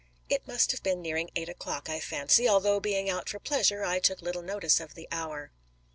"It must have been nearing eight o'clock, I fancy, although being out for pleasure I took little notice of the hour."